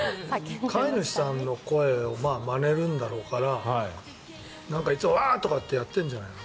飼い主さんの声をまねるんだろうからいつもワーッとかってやってるんじゃないの？